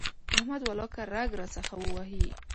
احمد ولاکه رګ راڅخه ووهي.